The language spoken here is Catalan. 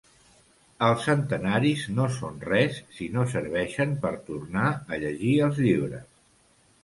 Els centenaris no són res si no serveixen per tornar a llegir els llibres.